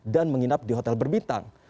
dan menginap di hotel berbintang